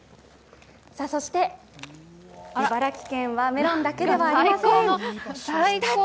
そして、茨城県はメロンだけではありません。